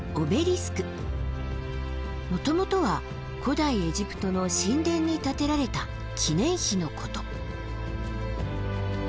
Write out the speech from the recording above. もともとは古代エジプトの神殿に建てられた記念碑のこと。